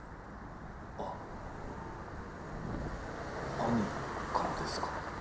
あッ兄からですか？